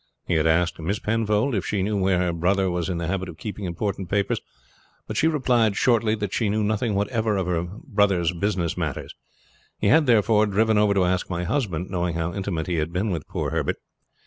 He had asked Miss Penfold if she knew where her brother was in the habit of keeping important papers; but she replied shortly that she knew nothing whatever of her brother's business matters. He had, therefore, driven over to ask my husband, knowing how intimate he had been with poor Herbert.